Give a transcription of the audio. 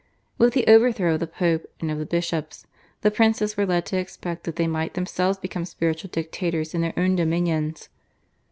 With the overthrow of the Pope and of the bishops the princes were led to expect that they might themselves become spiritual dictators in their own dominions.